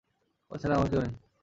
ও ছাড়া আমার কেউ নেই।